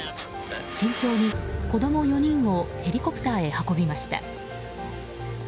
慎重に子供４人をヘリコプターへ運びました。